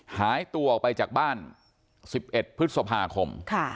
หายตัวออกไปจากบ้าน๑๑พฤษภาคม